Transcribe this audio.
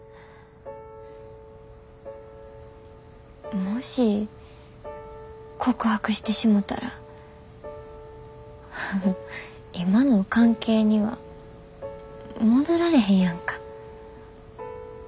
もし告白してしもたら今の関係には戻られへんやんか。